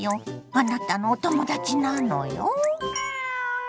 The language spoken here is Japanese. あなたのお友達なのよ。